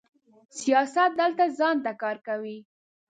سیاست دلته ځان ته کار کوي.